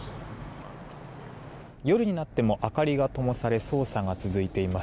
夜になっても明かりがともされ捜査が続いています。